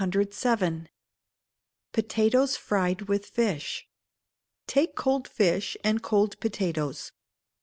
Potatoes Fried with Fish. Take cold fish and cold potatoes.